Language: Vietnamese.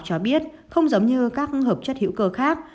cho biết không giống như các hợp chất hữu cơ khác